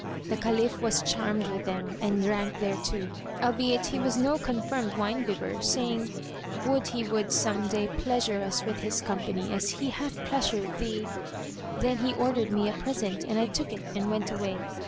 The Caliph was charmed with them and drank thereto, albeit he was no confirmed wine bibber, saying, "Would he would some day pleasure us with his company, as he hath pleasured thee!"[FN#124] Then he ordered me a present and I took it and went away.